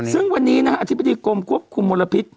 ซึ่งวันนี้อธิบดีกลมกรวบคุมมลพิษ